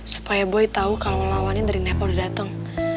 supaya boy tau kalau lawannya dari nepal udah dateng